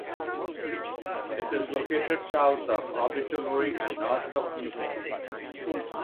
It is located south of Abertillery and north of Newport.